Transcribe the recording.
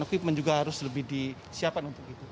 komitmen juga harus lebih disiapkan untuk itu